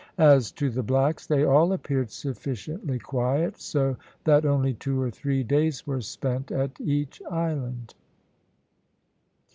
As to the blacks, they all appeared sufficiently quiet, so that only two or three days were spent at each island.